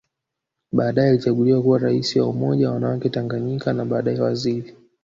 Baadae alichaguliwa kuwa Rais wa Umoja wa wanawake Tanganyika na baadae Waziri